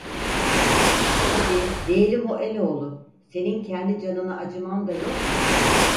Hadi, diyelim o eloğlu, senin kendi canına acıman da yok mu?